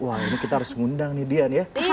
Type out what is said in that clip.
wah ini kita harus ngundang nih dian ya